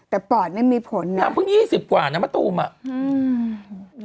แต่ปอดไม่มีผลนะนางเพิ่งยี่สิบกว่านะมะตูมอ่ะอืม